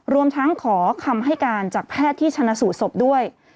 รวมทั้งขอคำให้การจากแพทย์ที่ชนะสูตรศพด้วย